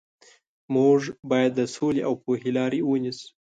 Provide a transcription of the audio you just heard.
موږ باید د سولې او پوهې لارې ونیسو.